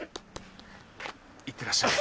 いってらっしゃい。